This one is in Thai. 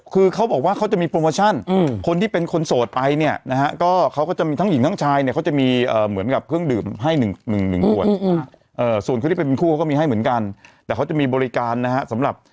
คือเขาบอกว่าเขาจะมีโปรโมชั่นคนที่เป็นคนโสดไปเนี่ยนะฮะก็เขาก็จะมีทั้งหญิงทั้งชายเนี่ยเขาจะมีเหมือนกับเครื่องดื่มให้หนึ่งหนึ่งขวดส่วนคนที่เป็นคู่เขาก็มีให้เหมือนกันแต่เขาจะมีบริการนะฮะสำหรับ